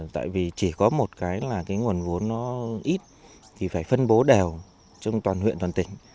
tại vì chỉ có một cái là cái nguồn vốn nó ít thì phải phân bố đều trong toàn huyện toàn tỉnh